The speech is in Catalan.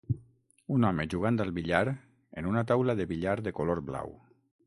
Un home jugant al billar en una taula de billar de color blau.